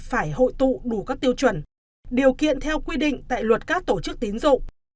phải hội tụ đủ các tiêu chuẩn điều kiện theo quy định tại luật các tổ chức tín dụng